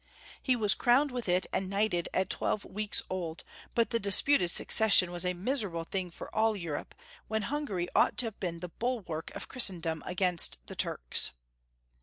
He was crowned with it and knighted at twelve weeks old, but the disputed succession was a miserable thing for all Europe, when Hungary ought to have been the bulwark of Christendom against the Turks.